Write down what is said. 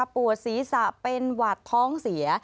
ปวดศีรษะเป็นหวัดท้องเสีย